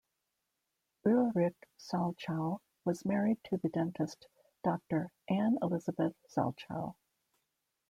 Ulrich Salchow was married to the dentist Doctor Anne-Elisabeth Salchow.